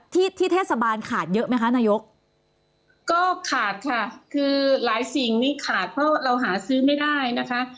ที่ที่เทศบาลขาดเยอะไหมคะนายกก็ขาดค่ะคือหลายสิ่งนี้ขาดเพราะเราหาซื้อไม่ได้นะคะ